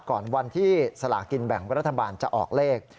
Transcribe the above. ก่อนวันที่สลากินแบ่งรัฐบาลจะออกเลข